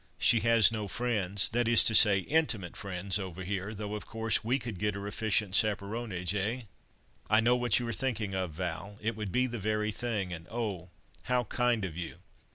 She has no friends, that is to say, intimate friends, over here—though, of course, we could get her efficient chaperonage—eh?" "I know what you are thinking of, Val! It would be the very thing—and oh! how kind of you."